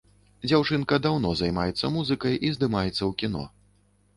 Дзяўчынка даўно займаецца музыкай і здымаецца ў кіно.